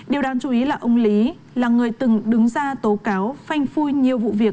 điều đáng chú ý là ông lý là người từng đứng ra tố cáo phanh phui nhiều vụ việc